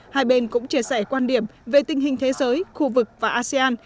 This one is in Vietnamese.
hai bên cũng chia sẻ quan điểm về tình hình thế giới khu vực và asean